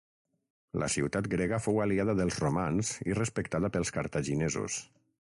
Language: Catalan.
La ciutat grega fou aliada dels romans i respectada pels cartaginesos.